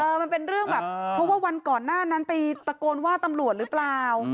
มันเป็นเรื่องแบบเพราะว่าวันก่อนหน้านั้นไปตะโกนว่าตำรวจหรือเปล่า